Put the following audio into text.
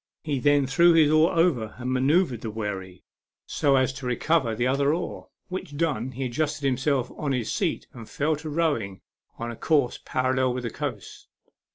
He then threw his oar over and manoeuvred the wherry, so as to re 78 A MEMORABLE SWIM. cover the other oar, which done, he adjusted himself on his seat and fell to rowing on a course parallel with the coast.